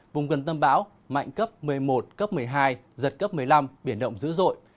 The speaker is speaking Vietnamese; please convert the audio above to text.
vùng gần tâm bão mạnh cấp một mươi một cấp một mươi hai giật cấp một mươi năm biển động dữ dội